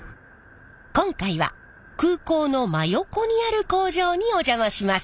今回は空港の真横にある工場にお邪魔します。